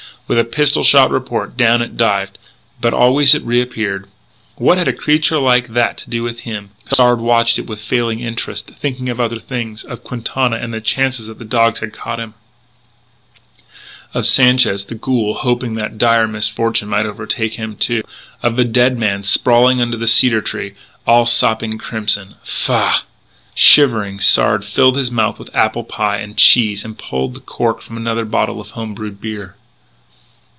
with a pistol shot report down it dived. But always it reappeared. What had a creature like that to do with him? Sard watched it with failing interest, thinking of other things of Quintana and the chances that the dogs had caught him, of Sanchez, the Ghoul, hoping that dire misfortune might overtake him, too; of the dead man sprawling under the cedar tree, all sopping crimson Faugh! Shivering, Sard filled his mouth with apple pie and cheese and pulled the cork from another bottle of home brewed beer.